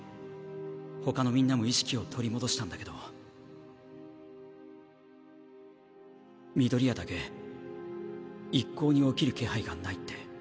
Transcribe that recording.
他のみんなも意識を取り戻したんだけど緑谷だけ一向に起きる気配